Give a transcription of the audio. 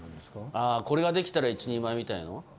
これができたら一人前みたいの？